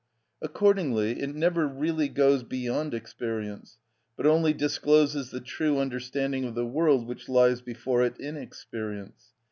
Accordingly it never really goes beyond experience, but only discloses the true understanding of the world which lies before it in experience.